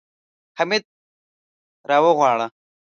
حميد راوغواړه.